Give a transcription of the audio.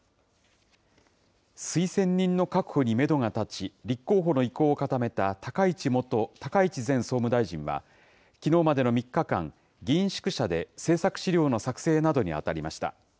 推薦人の確保にメドが立ち、立候補の意向を固めた高市前総務大臣は、きのうまでの３日間、議員宿舎で政策資料の作成などに当たりました。